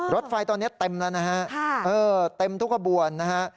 รถไฟตอนนี้เต็มแล้วนะฮะเต็มทุกขบวนนะฮะ